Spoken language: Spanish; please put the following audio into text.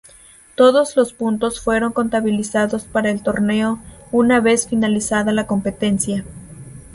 Todos los puntos fueron contabilizados para el torneo una vez finalizada la competencia.